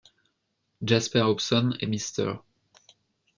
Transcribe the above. Jasper Hobson et Mrs.